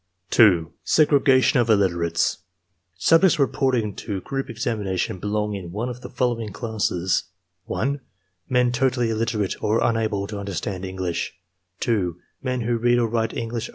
II. SEGREGATION OF ILLITERATES Subjects reporting for group examination belong in one of the following classes: (1) Men totally illiterate or unable to understand English; (2) Men who read or write English.